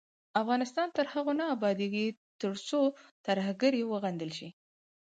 افغانستان تر هغو نه ابادیږي، ترڅو ترهګري وغندل شي.